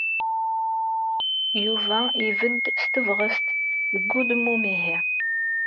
Yuba ibedd s tebɣest deg udem umihi.